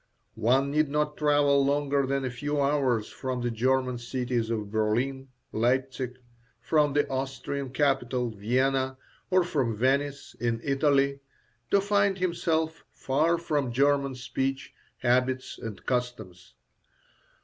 One need not travel longer than a few hours from the German cities of Berlin, Leipsic, from the Austrian capital, Vienna, or from Venice, in Italy, to find himself far from German speech, habits and customs.